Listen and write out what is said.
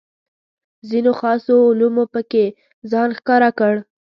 ځینو خاصو علومو پکې ځان ښکاره کړ.